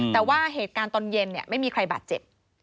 แต่ว่าเหตุการณ์ตอนเย็นไม่มีใครบาดเจ็บ